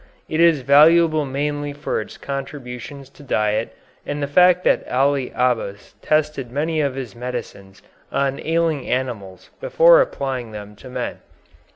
It is valuable mainly for its contributions to diet and the fact that Ali Abbas tested many of his medicines on ailing animals before applying them to men.